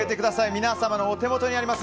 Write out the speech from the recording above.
皆様のお手元にあります